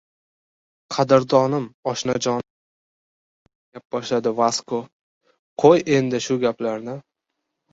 – Qadrdonim, oshnajonim, – deb gap boshladi Vasko, – qoʻy endi shu gaplarni.